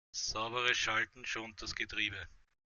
Sauberes Schalten schont das Getriebe.